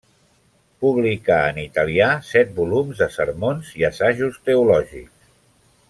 Publicà en italià set volums de sermons i assajos teològics.